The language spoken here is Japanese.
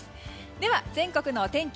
では全国のお天気